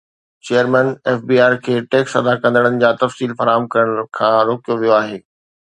chairman F B R کي ٽيڪس ادا ڪندڙن جا تفصيل فراهم ڪرڻ کان روڪيو ويو آهي